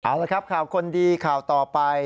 เอาละครับข่าวคนดีข่าวต่อไป